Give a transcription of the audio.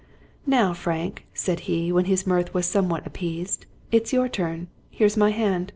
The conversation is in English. " Now, Frank," said he, when his mirth was somewhat appeased, "it's your turn. Here's my hand.